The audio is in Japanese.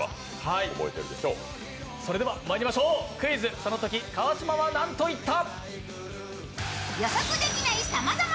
それではまいりましょう「クイズ！そのとき川島はなんと言った？」。